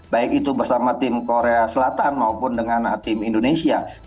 baik itu bersama tim korea selatan maupun dengan tim indonesia